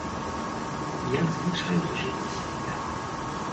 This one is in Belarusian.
Як звычайна жыве сям'я?